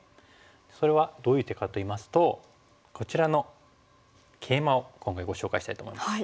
それはどういう手かといいますとこちらのケイマを今回ご紹介したいと思います。